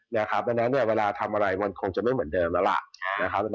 และฉะนั้นเวลาทำอะไรคงจะไม่เหมือนเดิมแล้ว